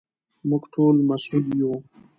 موږ ټول مسوول یو.